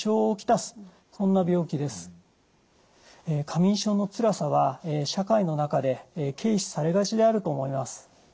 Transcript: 過眠症のつらさは社会の中で軽視されがちであると思います。